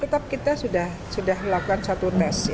tetap kita sudah melakukan satu tes